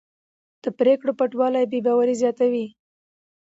د پرېکړو پټوالی بې باوري زیاتوي